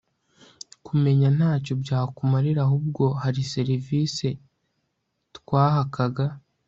kumenya ntacyo byakumarira ahubwo hari service twaahakaga